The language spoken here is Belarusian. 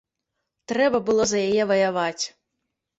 Трэба было за яе ваяваць.